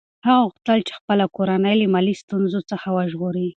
هغه غوښتل چې خپله کورنۍ له مالي ستونزو څخه وژغوري.